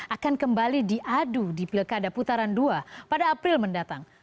akan kembali diadu di pilkada putaran dua pada april mendatang